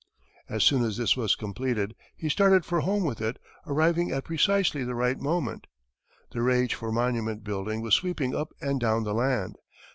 As soon as this was completed, he started for home with it, arriving at precisely the right moment. The rage for monument building was sweeping up and down the land.